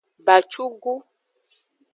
Bacugu.